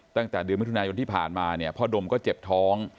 ตั้งแต่เดือนมิถุนายนที่ผ่านมาเนี่ยพ่อดมก็เจ็บท้อง